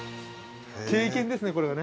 ◆経験ですね、これがね。